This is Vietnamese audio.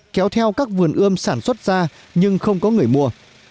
kéo theo các vườn ươm sản xuất ra nhưng không có người mua